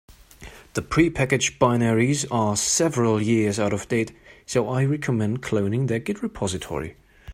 The prepackaged binaries are several years out of date, so I recommend cloning their git repository.